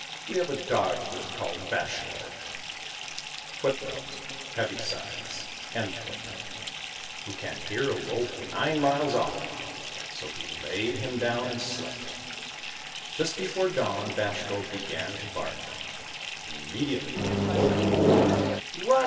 " We have a dog here called Vazhko,^ who can hear a wolf nine miles off." So he laid him down and slept. Just before dawn Vazhko began to bark. Immediately they awoke him. " Run !